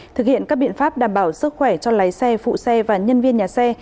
thực hiện các biện pháp đảm bảo sức khỏe cho lái xe phụ xe và nhân viên nhà xe